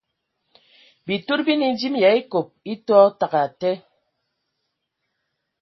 Bitud bi nə e mvim yə a ekob e tɔ təgɛ atɛ.